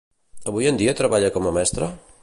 Avui en dia treballa com a mestra?